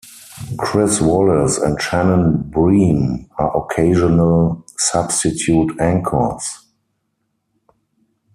Chris Wallace and Shannon Bream are occasional substitute anchors.